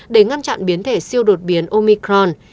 để ngăn chặn biến thể siêu đột biến omicron